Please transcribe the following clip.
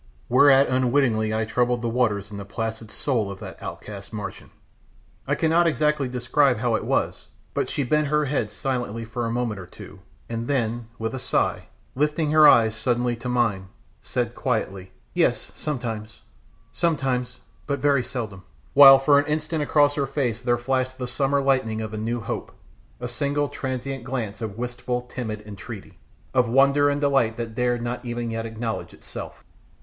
Whereat unwittingly I troubled the waters in the placid soul of that outcast Martian! I cannot exactly describe how it was, but she bent her head silently for a moment or two, and then, with a sigh, lifting her eyes suddenly to mine, said quietly, "Yes, sometimes; sometimes but very seldom," while for an instant across her face there flashed the summer lightning of a new hope, a single transient glance of wistful, timid entreaty; of wonder and delight that dared not even yet acknowledge itself.